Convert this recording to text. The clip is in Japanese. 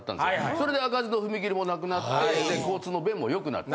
それで開かずの踏切も無くなって交通の便もよくなった。